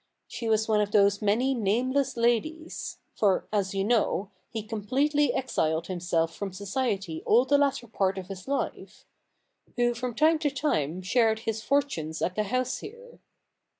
She was one of those many nameless ladies — for, as you know, he completely exiled himself from society all the latter part of his life — who from time to time shared his for tunes at the house here.